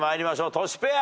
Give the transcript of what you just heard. トシペア。